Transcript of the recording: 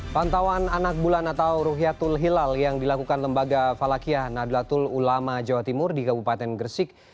pantauan anak bulan atau rukyatul hilal yang dilakukan lembaga falakiyah nadlatul ulama jawa timur di kabupaten gresik